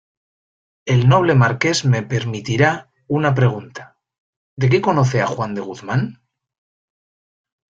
el noble Marqués me permitirá una pregunta: ¿ de qué conoce a Juan de Guzmán?